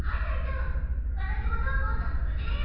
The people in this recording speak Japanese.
私も東郷さんも無事です。